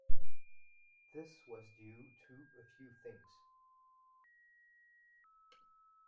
This was due to a few things.